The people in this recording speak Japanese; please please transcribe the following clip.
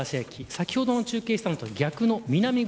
先ほど中継したのと逆の南口。